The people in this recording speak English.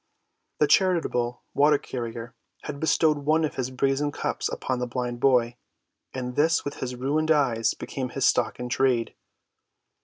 The charitable water‐carrier had bestowed one of his brazen cups upon the blind boy, and this with his ruined eyes became his stock in trade.